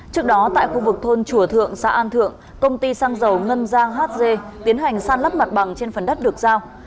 trước đó tại khu vực thôn chùa thượng xã an thượng công ty xăng dầu ngân giang hz tiến hành san lấp mặt bằng trên phần đất được giao